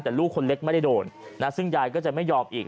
แต่ลูกคนเล็กไม่ได้โดนนะซึ่งยายก็จะไม่ยอมอีก